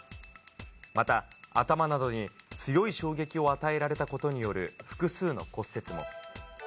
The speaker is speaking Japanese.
また、頭などに強い衝撃を与えられたことによる複数の骨折も。